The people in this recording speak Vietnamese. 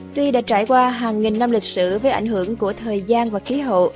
tuy đã trải qua hàng nghìn năm lịch sử với ảnh hưởng của thời gian và khí hậu